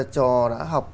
trò đã học